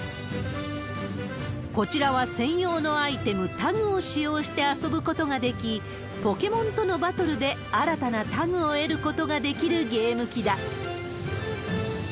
こちらは専用のアイテム、タグを使用して遊ぶことができ、ポケモンとのバトルで新たなタグを得ることができるゲーム機だ。